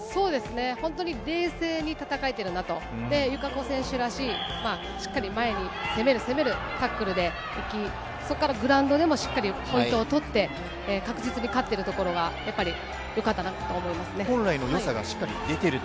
本当に冷静に戦いてるなと、友香子選手らしいしっかり前に攻めるタックルでそこからグラウンドでもしっかりポイントを取って、確実に勝っているところがよかっ本来の良さがしっかり出ていると。